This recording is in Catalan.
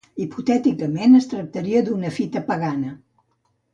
Hipotèticament es tractaria d'una fita pagana.